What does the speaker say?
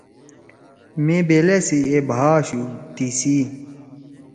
مے بیلأ سی اے بھا آشُو تیِسی